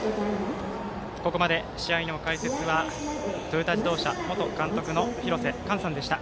ここまで試合の解説はトヨタ自動車元監督の廣瀬寛さんでした。